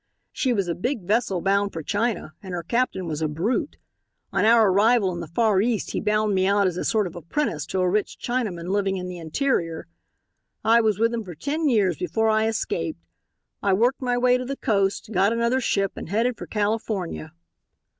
"She was a big vessel bound for China and her captain was a brute. On our arrival in the Far East he bound me out as a sort of apprentice to a rich Chinaman living in the interior. I was with him for ten years before I escaped. I worked my way to the coast, got another ship and headed for California.